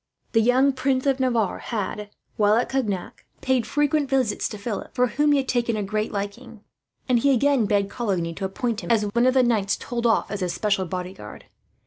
The young Prince of Navarre had, while at Cognac, paid frequent visits to Philip, for whom he had taken a great liking; and he again begged Coligny to appoint him as one of the knights told off as his special bodyguard.